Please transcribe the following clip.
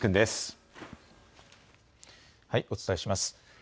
お伝えします。